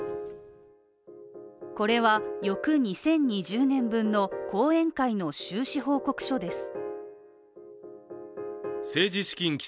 これは翌２０２０年分の後援会の収支報告書です。